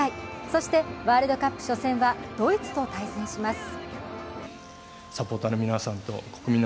そしてワールドカップ初戦はドイツと対戦します。